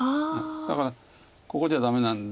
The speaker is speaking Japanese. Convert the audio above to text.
だからここじゃダメなんで。